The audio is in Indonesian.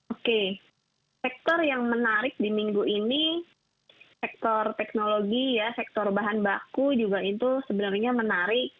oke sektor yang menarik di minggu ini sektor teknologi ya sektor bahan baku juga itu sebenarnya menarik